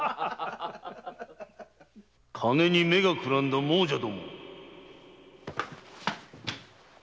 金に目が眩んだ亡者ども！